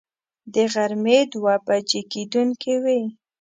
د غرمې دوه بجې کېدونکې وې.